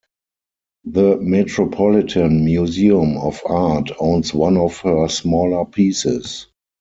The Metropolitan Museum of Art owns one of her smaller pieces.